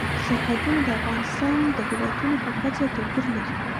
سرحدونه د افغانستان د ولایاتو په کچه توپیر لري.